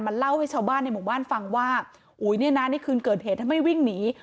เล่าให้ชาวบ้านในหมู่บ้านฟังว่าอุ๋ยเนี่ยนะในคืนเกิดเหตุถ้าไม่วิ่งหนี